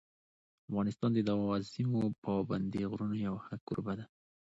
افغانستان د دغو عظیمو پابندي غرونو یو ښه کوربه دی.